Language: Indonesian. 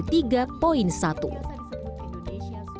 bppt berperan dalam implementasi teknologi